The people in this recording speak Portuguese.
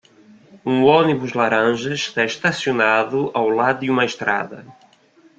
Um ônibus laranja está estacionado ao lado de uma estrada.